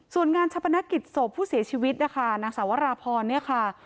ส่วนงานชะปนกิจศพผู้เสียชีวิตนะคะนางสาวราพรเนี่ยค่ะ